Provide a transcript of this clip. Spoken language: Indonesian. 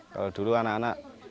kalau dulu anak anak